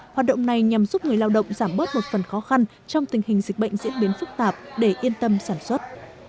hoạt động này nhằm giúp người lao động giảm bớt một phần khó khăn trong tình hình dịch bệnh diễn biến phức tạp để yên tâm sản xuất